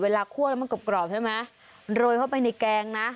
คั่วแล้วมันกรอบกรอบใช่ไหมโรยเข้าไปในแกงนะ